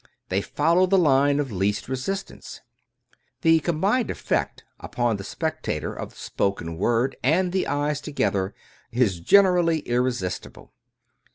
They follow the line of least resistance. The combined effect 281 True Stories of Modern Magic upon the spectator of the spoken word and the eyes together is generally irresistible.